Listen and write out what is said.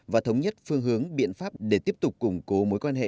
và thống nhất phương hướng biện pháp để tiếp tục củng cố mối quan hệ